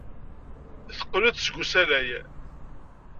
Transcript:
Teqqel-d seg usalay.